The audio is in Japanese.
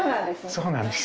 そうなんです。